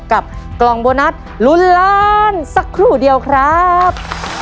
กับกล่องโบนัสลุ้นล้านสักครู่เดียวครับ